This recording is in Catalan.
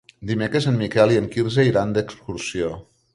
Dimecres en Miquel i en Quirze iran d'excursió.